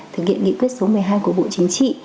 thực hiện nghị quyết số một mươi hai của bộ chính trị